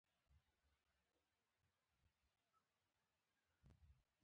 انساني ژوند د واورې مانند دی.